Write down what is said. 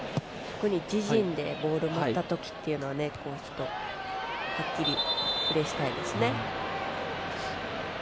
自陣でボールを持った時ははっきりプレーしたいですね。